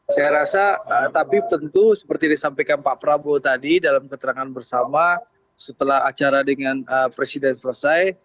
saya rasa tapi tentu seperti disampaikan pak prabowo tadi dalam keterangan bersama setelah acara dengan presiden selesai